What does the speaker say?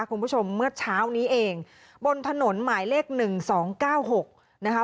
คุณผู้ชมเมื่อเช้านี้เองบนถนนหมายเลขหนึ่งสองเก้าหกนะคะ